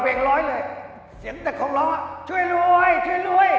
ร้อยเลยเสียงแต่ของร้องช่วยรวยช่วยรวย